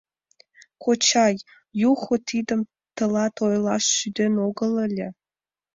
Кочай, Юхо тидым тылат ойлаш шӱден огыл ыле.